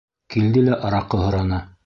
Килде лә араҡы һораны.